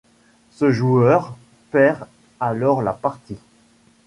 Ce joueur perd alors la partie.